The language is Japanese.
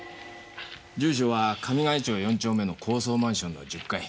住所は神ヶ谷町４丁目の高層マンションの１０階。